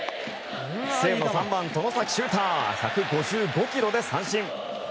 西武の３番、外崎修汰１５５キロで三振。